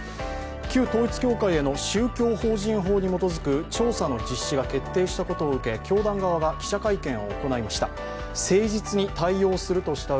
旧統一教会への宗教法人法に基づく調査の実施が決定したことを受け教団側が記者会見を行いました。